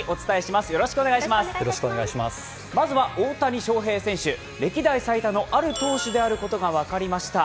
まずは大谷翔平選手、歴代最多のある投手であることが分かりました。